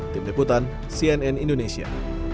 tim deputan cnn indonesia